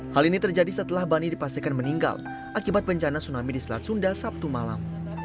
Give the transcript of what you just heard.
hal ini terjadi setelah bani dipastikan meninggal akibat bencana tsunami di selat sunda sabtu malam